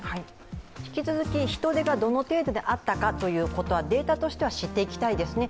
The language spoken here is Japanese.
引き続き、人出がどの程度であったかというのはデータとしては知っていきたいですね。